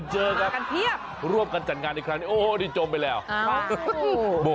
โหมากันเจอกัน